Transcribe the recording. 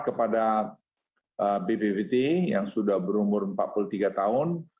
kepada bppt yang sudah berumur empat puluh tiga tahun